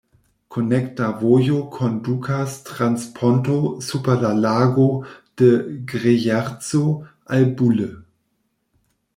Konekta vojo kondukas trans ponto super la Lago de Grejerco al Bulle.